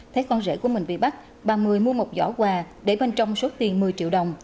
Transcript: thấy con rễ của mình bị bắt bà mười mua một giỏ quà để bên trong số tiền một mươi triệu đồng